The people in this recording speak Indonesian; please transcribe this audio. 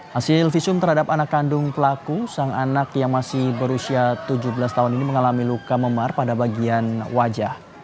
hasil visum terhadap anak kandung pelaku sang anak yang masih berusia tujuh belas tahun ini mengalami luka memar pada bagian wajah